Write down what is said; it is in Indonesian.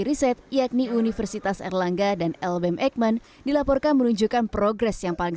riset yakni universitas erlangga dan lbm eijkman dilaporkan menunjukkan progres yang paling